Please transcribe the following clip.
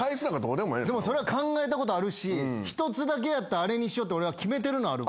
でもそれは考えたことあるし１つだけやったらあれにしようって俺は決めてるのあるわ。